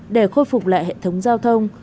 để khôi phục lại hệ thống giao thông